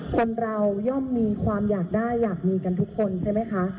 คนเราย่อมมีความอยากได้อยากมีกันทุกคนใช่ไหมคะ